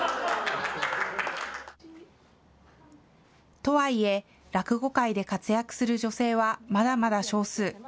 とはいえ、落語界で活躍する女性はまだまだ少数。